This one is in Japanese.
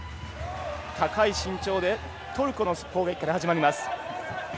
高い身長でトルコの攻撃から始まります。